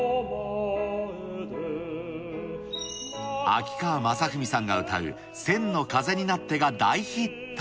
秋川雅史さんが歌う千の風になってが大ヒット。